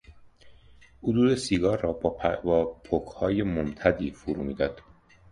او دود سیگار را با پکهای ممتدی فرو میداد.